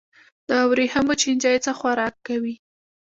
د وریښمو چینجی څه خوراک کوي؟